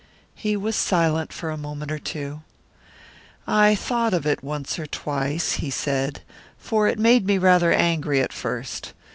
He was silent for a moment or two. "I thought of it once or twice," he said. "For it made me rather angry at first.